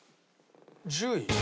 １０位？